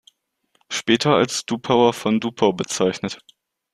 Später als "Duppauer von Duppau" bezeichnet.